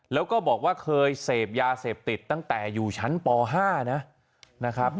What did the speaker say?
แล้วก็บอกว่าเคยเสพยาเสพติดตั้งแต่อยู่ชั้นป๕นะครับ